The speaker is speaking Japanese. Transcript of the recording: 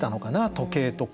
時計とか。